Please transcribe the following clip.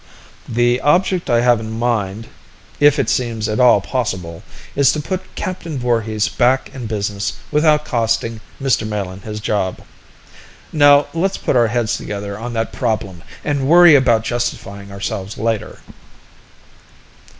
"The object I have in mind, if it seems at all possible, is to put Captain Voorhis back in business without costing Mr. Melin his job. Now, let's put our heads together on that problem and worry about justifying ourselves later."